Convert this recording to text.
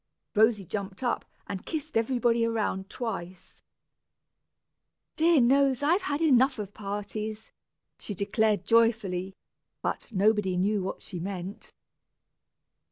Rosy jumped up, and kissed everybody around twice. "Dear knows I've had enough of parties," she declared joyfully; but nobody knew what she meant!